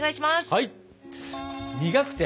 はい！